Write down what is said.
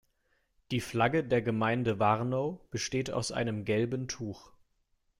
Die Flagge der Gemeinde Warnow besteht aus einem gelben Tuch.